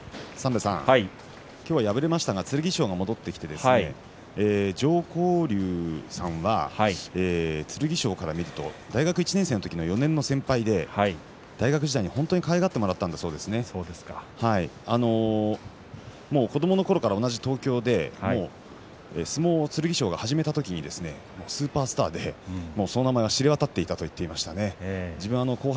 今日は敗れましたが剣翔が戻ってきて常幸龍さんは剣翔から見ると大学１年生の時に４年生で大学生の時にかわいがってもらったそうです。子どものころから同じ東京で相撲を剣翔が始めた時にスーパースターでその名前は知れ渡っていたと言っていましたね。